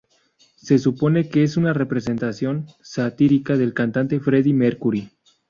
Se supone que es una representación satírica del cantante Freddie Mercury.